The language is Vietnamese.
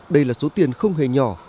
đây là số tiền không hề nhỏ